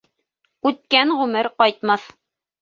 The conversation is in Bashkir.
Үткән ғүмер ҡайтмаҫ